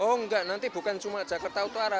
oh enggak nanti bukan cuma jakarta utara